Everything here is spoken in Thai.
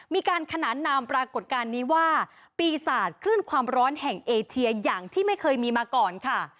มีการขนานนามปรากฏการณ์นี้ว่าปีศาจคลื่นความร้อนแห่งเอเชียอย่างที่ไม่เคยมีมาก่อนค่ะ